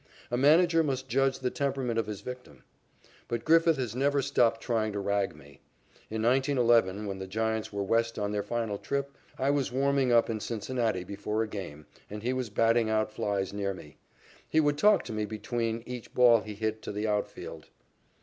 A manager must judge the temperament of his victim. But Griffith has never stopped trying to rag me. In 1911, when the Giants were west on their final trip, I was warming up in Cincinnati before a game, and he was batting out flies near me. He would talk to me between each ball he hit to the outfield.